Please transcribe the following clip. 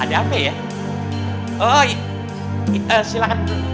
ada apa ya